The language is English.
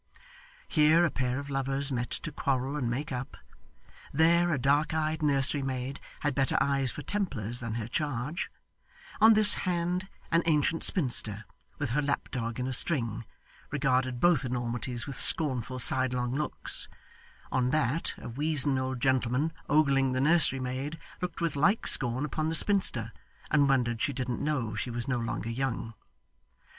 Here a pair of lovers met to quarrel and make up; there a dark eyed nursery maid had better eyes for Templars than her charge; on this hand an ancient spinster, with her lapdog in a string, regarded both enormities with scornful sidelong looks; on that a weazen old gentleman, ogling the nursery maid, looked with like scorn upon the spinster, and wondered she didn't know she was no longer young.